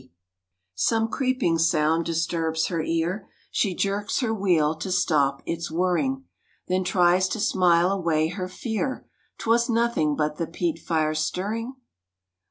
125 126 A LEGEND OF CONNEMARA Some creeping sound disturbs her ear, She jerks her wheel to stop its whirring, Then tries to smile away her fear ; 'Twas nothing but the peat fire stirring?